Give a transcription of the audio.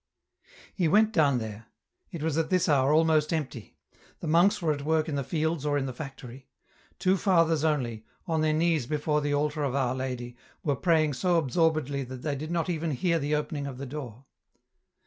He went down there ; it was at this hour almost empty ; the monks were at work in the fields or in the factory ; two fathers only, on their knees before the altar of Oui Lady, were praying so absorbedly that they did not even hear the opening of the door.